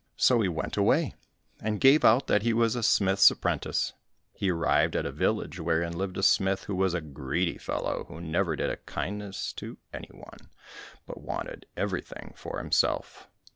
So he went away, and gave out that he was a smith's apprentice. He arrived at a village, wherein lived a smith who was a greedy fellow, who never did a kindness to any one, but wanted everything for himself.